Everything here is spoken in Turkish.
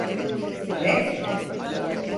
Kek?